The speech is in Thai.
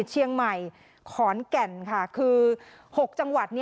เชียงใหม่ขอนแก่นค่ะคือ๖จังหวัด